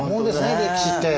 歴史って。